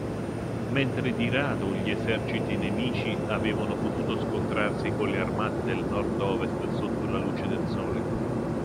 Mentre di rado gli eserciti nemici avevano potuto scontrarsi con le armate del nord-ovest sotto la luce del sole.